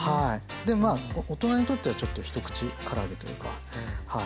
でまあ大人にとってはちょっと一口から揚げというかはい。